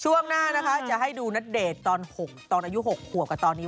ช่วงหน้านะคะจะให้ดูณเดชน์ตอนอายุ๖ขวบกับตอนนี้